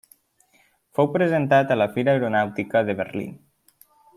Fou presentat a la Fira Aeronàutica de Berlín.